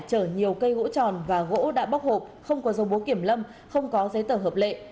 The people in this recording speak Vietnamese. chở nhiều cây gỗ tròn và gỗ đã bóc hộp không có dòng bố kiểm lâm không có giấy tờ hợp lệ